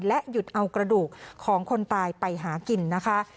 และหยุดเอากระดูกของคนตายไปหากินนะคะ